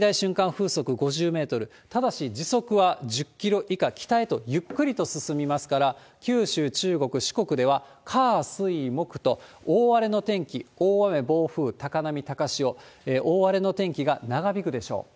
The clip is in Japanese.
風速５０メートル、ただし、時速は１０キロ以下、北へとゆっくりと進みますから、九州、中国、四国では、火、水、木と、大荒れの天気、大雨、暴風、高波、高潮、大荒れの天気が長引くでしょう。